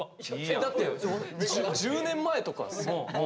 だって１０年前とかっすよ。